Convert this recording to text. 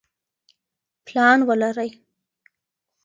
پلان ولرئ.